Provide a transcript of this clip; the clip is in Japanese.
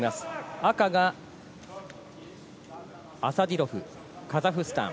赤がアサディロフ、カザフスタン。